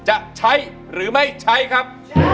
จะใช้หรือไม่ใช้ครับ